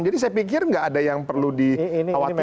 jadi saya pikir enggak ada yang perlu dikhawatirkan